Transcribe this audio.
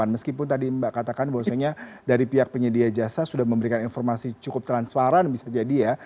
meskipun tadi mbak katakan bahwasanya dari pihak penyedia jasa sudah memberikan informasi cukup transparan bisa jadi ya